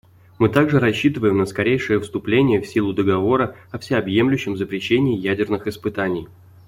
Мы также рассчитываем на скорейшее вступление в силу Договора о всеобъемлющем запрещении ядерных испытаний.